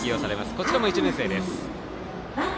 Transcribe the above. こちらも１年生です。